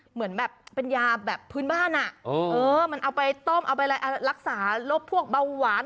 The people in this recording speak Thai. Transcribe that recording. เหมือนแบบเป็นยาแบบพื้นบ้านอ่ะเออมันเอาไปต้มเอาไปอะไรรักษาลบพวกเบาหวาน